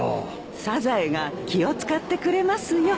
サザエが気を使ってくれますよ。